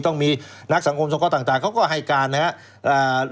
ต้องมีนักสังคมสงเคราะห์ต่างเขาก็ให้การนะครับ